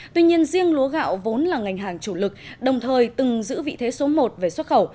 tuy nhiên riêng lúa gạo vốn là ngành hàng chủ lực đồng thời từng giữ vị thế số một về xuất khẩu